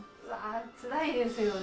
つらいですよね。